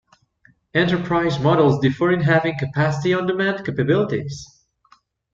Enterprise models differ in having Capacity on Demand capabilities.